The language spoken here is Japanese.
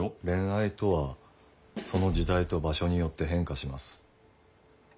恋愛とはその時代と場所によって変化します。